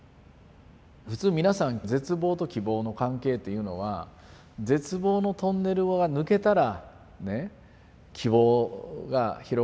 普通皆さん絶望と希望の関係っていうのは絶望のトンネルを抜けたら希望が広がる。